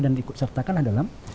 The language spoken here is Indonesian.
dan diikutsertakanlah dalam